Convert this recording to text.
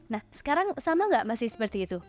nah sekarang sama nggak masih seperti itu